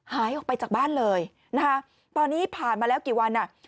หายออกไปจากบ้านเลยนะคะตอนนี้ผ่านมาแล้วกี่วันอ่ะ